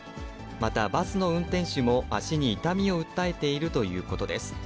また、バスの運転手も足に痛みを訴えているということです。